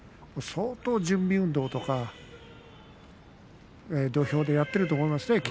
相当、準備運動とか土俵でやっていると思いますよ。